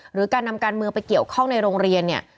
หรือการนำการเมืองไปเกี่ยวข้องในโรงเรียนเนี่ย